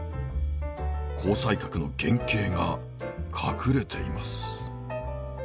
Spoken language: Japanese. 紅彩閣の原型が隠れています。